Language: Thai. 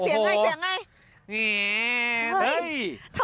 เสียงไงเสียงไง